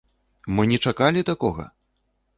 Мы не чакалі такога!